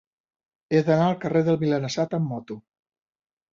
He d'anar al carrer del Milanesat amb moto.